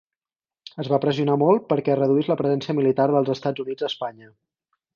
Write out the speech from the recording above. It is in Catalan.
Es va pressionar molt perquè es reduís la presència militar dels Estats Units a Espanya.